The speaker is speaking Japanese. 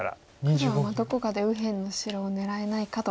黒はどこかで右辺の白を狙えないかと。